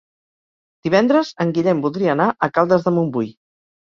Divendres en Guillem voldria anar a Caldes de Montbui.